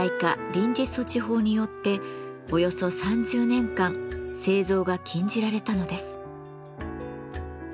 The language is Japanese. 臨時措置法」によっておよそ３０年間製造が禁じられたのです。